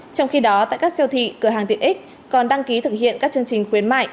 tại các siêu thị cửa hàng tiện ích còn đăng ký thực hiện các chương trình khuyến mại